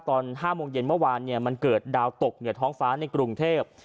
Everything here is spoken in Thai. ตอน๕โมงเย็นเมื่อวานมันเกิดดาวตกเหนือท้องฟ้าในกรุงเทพ